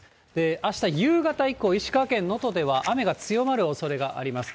あした夕方以降、石川県能登では、雨が強まるおそれがあります。